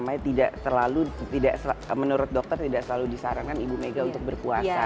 menurut dokter tidak selalu disarankan ibu mega untuk berpuasa